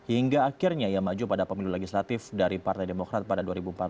hingga akhirnya ia maju pada pemilu legislatif dari partai demokrat pada dua ribu empat belas